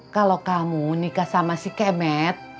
kalau kamu nikah sama si kemet